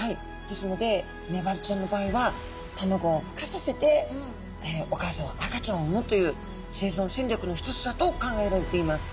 ですのでメバルちゃんの場合は卵をふ化させてお母さんは赤ちゃんをうむという生存戦略の一つだと考えられています。